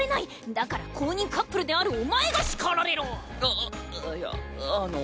だから公認カップルであるお前が叱られろ！あっあっいやあの。